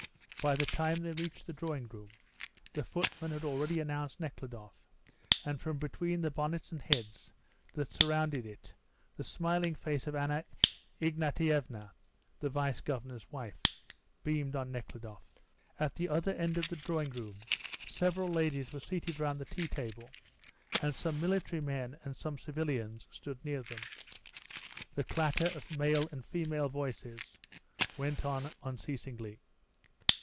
By the time they reached the drawing room the footman had already announced Nekhludoff, and from between the bonnets and heads that surrounded it the smiling face of Anna Ignatievna, the Vice Governor's wife, beamed on Nekhludoff. At the other end of the drawing room several ladies were seated round the tea table, and some military men and some civilians stood near them. The clatter of male and female voices went on unceasingly.